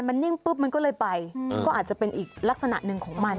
มันนิ่งปุ๊บมันก็เลยไปก็อาจจะเป็นอีกลักษณะหนึ่งของมัน